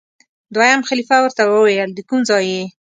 دویم خلیفه ورته وویل دکوم ځای یې؟